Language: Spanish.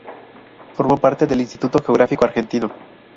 Formó parte del Instituto Geográfico Argentino.